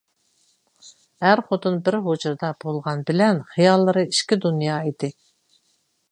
ئەر-خوتۇن بىر ھۇجرىدا بولغان بىلەن خىياللىرى ئىككى دۇنيا ئىدى.